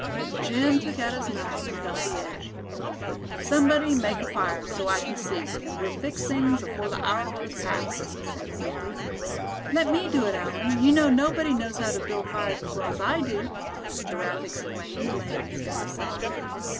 Jim took out his knife, and felt the edge. "Somebody make a fire, so I kin see, and we'll fix things afore a hour goes past," he said, simply. "Let me do it, Allan; you know nobody knows how to build fires as well as I do!" Giraffe exclaimed, laying his gun aside.